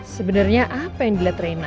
sebenernya apa yang diliat reina ya